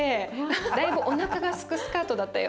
だいぶおなかがすくスカートだったよ。